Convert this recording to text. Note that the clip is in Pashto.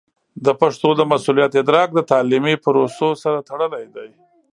د پښتو د مسوولیت ادراک د تعلیمي پروسو سره تړلی دی.